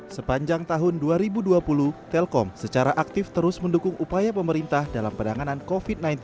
sepanjang tahun dua ribu dua puluh telkom secara aktif terus mendukung upaya pemerintah dalam penanganan covid sembilan belas